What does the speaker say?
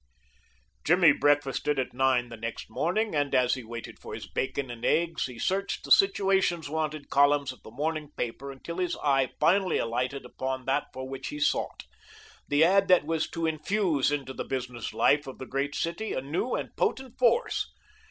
Jimmy breakfasted at nine the next morning, and as he waited for his bacon and eggs he searched the Situations Wanted columns of the morning paper until his eye finally alighted upon that for which he sought the ad that was to infuse into the business life of the great city a new and potent force.